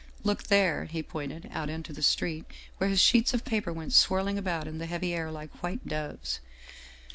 ' Look there !' he pointed out into the street, where his sheets of paper went swirling about in the heavy air like white doves.